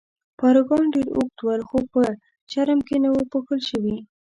پاروګان ډېر اوږد ول، خو په چرم کې نه وو پوښل شوي.